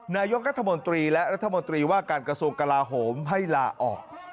นายกรัฐมนตรีและรัฐมนตรีว่าการกระทรวงกลาโหมให้ลาออก